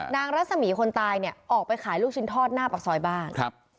รัศมีคนตายเนี่ยออกไปขายลูกชิ้นทอดหน้าปากซอยบ้านครับ